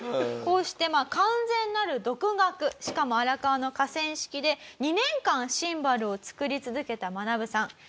こうしてまあ完全なる独学しかも荒川の河川敷で２年間シンバルを作り続けたマナブさん。